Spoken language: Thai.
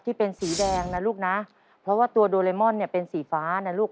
ที่เป็นสีแดงนะลูกนะเพราะว่าตัวโดเรมอนเนี่ยเป็นสีฟ้านะลูก